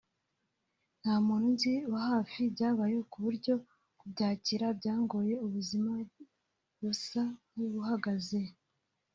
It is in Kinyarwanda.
nta n'umuntu nzi wa hafi byabayeho ku buryo kubyakira byangoye ubuzima busa nkubuhagaze